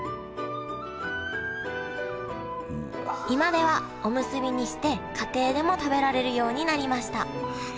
今ではおむすびにして家庭でも食べられるようになりました。